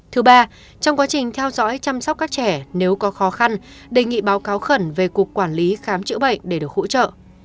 thứ ba trong quá trình theo dõi chăm sóc các trẻ nếu có khó khăn đề nghị báo cáo khẩn về cục quản lý khám chữa bệnh để được hỗ trợ